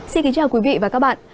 xin kính chào quý vị và các bạn